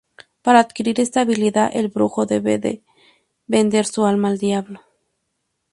Para adquirir esta habilidad el brujo debe de vender su alma al Diablo.